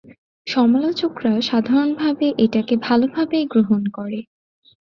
সমালোচকরা সাধারণভাবে এটাকে ভালভাবেই গ্রহণ করে।